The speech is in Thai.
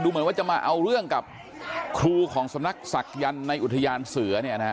เหมือนว่าจะมาเอาเรื่องกับครูของสำนักศักยันต์ในอุทยานเสือเนี่ยนะฮะ